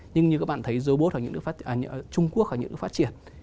nhưng như các bạn thấy robot ở trung quốc ở những nước phát triển